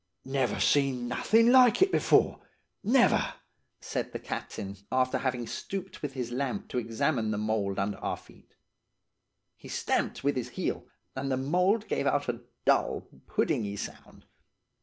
"'Never seen nothin' like it before! Never!' said the captain after having stooped with his lamp to examine the mould under our feet. He stamped with his heel, and the mould gave out a dull, puddingy sound.